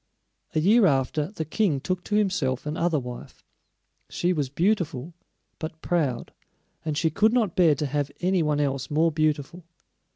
A year after, the King took to himself another wife. She was beautiful but proud, and she could not bear to have any one else more beautiful.